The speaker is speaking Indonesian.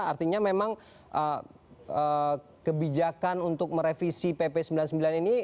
artinya memang kebijakan untuk merevisi pp sembilan puluh sembilan ini